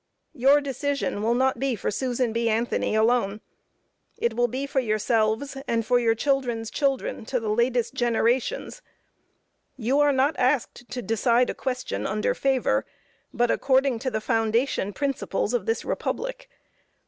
Your decision will not be for Susan B. Anthony alone; it will be for yourselves and for your children's children to the latest generations. You are not asked to decide a question under favor, but according to the foundation principles of this republic.